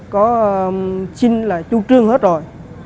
có xin là chu trương hết rồi